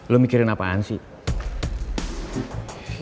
lo mikirin apaan sih